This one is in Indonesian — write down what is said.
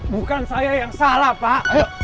bukan saya yang salah pak